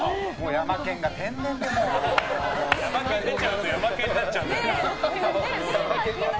ヤマケン出ちゃうとヤマケンになっちゃうんだよな。